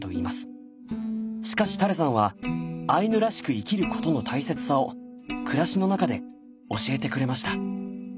しかしタレさんはアイヌらしく生きることの大切さを暮らしの中で教えてくれました。